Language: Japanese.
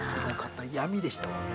闇でしたもんね。